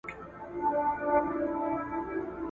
افتخارات د واک لرونکو په ګټه تمام سوي ول.